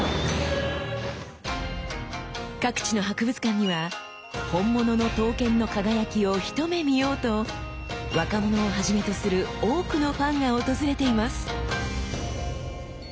各地の博物館には本物の刀剣の輝きを一目見ようと若者をはじめとする多くのファンが訪れています。